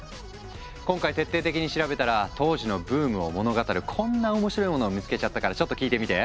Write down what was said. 今回徹底的に調べたら当時のブームを物語るこんな面白いモノを見つけちゃったからちょっと聞いてみて！